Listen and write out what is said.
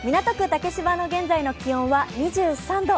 竹芝の現在の気温は２３度。